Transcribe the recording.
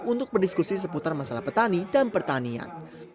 untuk berdiskusi seputar masalah petani dan pertanian